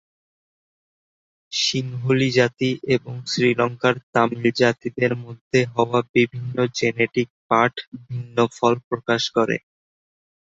সিংহলি জাতি এবং শ্রীলংকার তামিল জাতিদের মধ্যে হওয়া বিভিন্ন জেনেটিক পাঠ ভিন্ন ফল প্রকাশ করে।